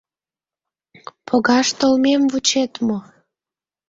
Погаш толмем вучет мо?